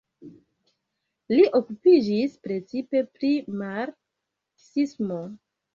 Li okupiĝis precipe pri marksismo.